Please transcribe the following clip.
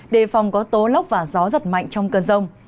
đề phòng có tố lốc và gió giật mạnh trong cơn rông